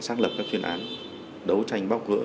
xác lập các chuyên án đấu tranh bóc gỡ